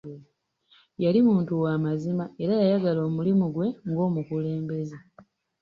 Yali muntu wa mazima era yayagala omulimu gwe ng'omukulembeze.